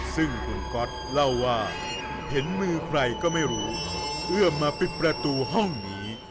ซึ่งคุณก๊อตเล่าว่าเห็นมือใครก็ไม่รู้เอื้อมมาปิดประตูห้องนี้